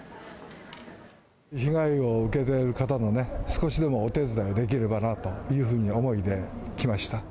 被害を受けた方の、少しでもお手伝いできればなという思いで来ました。